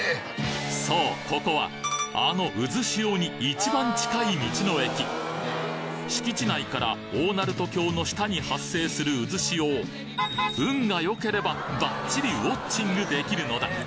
そうここはあの敷地内から大鳴門橋の下に発生するうずしおを運が良ければバッチリウォッチングできるのだ！